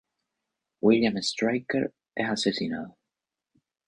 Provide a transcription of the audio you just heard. William Stryker es asesinado.